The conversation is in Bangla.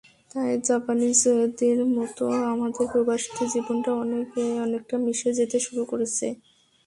তাই জাপানিজদের মতো আমাদের প্রবাসীদের জীবনটাও অনেকটা মিশে যেতে শুরু করেছে।